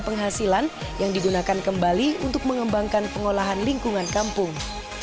penghasilan yang digunakan kembali untuk mengembangkan pengolahan lingkungan kampung